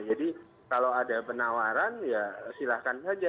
jadi kalau ada penawaran ya silahkan saja